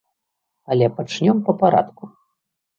Але пачнём па парадку.